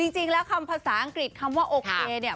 จริงแล้วคำภาษาอังกฤษคำว่าโอเคเนี่ย